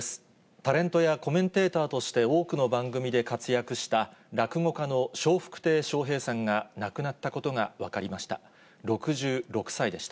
タレントや、コメンテーターとして多くの番組で活躍した、落語家の笑福亭笑瓶さんが亡くなったことが分かりました。